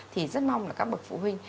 thì rất mong là các bậc phụ huynh